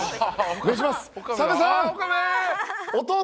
お願いします！